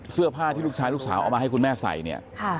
เสื้อผ้าที่ลูกชายลูกสาวเอามาให้คุณแม่ใส่เนี่ย